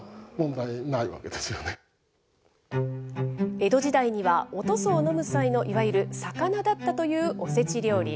江戸時代には、おとそを飲む際のいわゆるさかなだったというおせち料理。